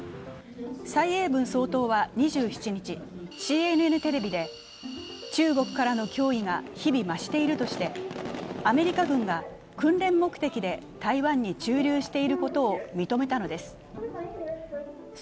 蔡英文総統は２７日、ＣＮＮテレビで中国からの脅威が日々増しているとしてアメリカ軍が訓練目的で台湾に駐留していることを認めたのです。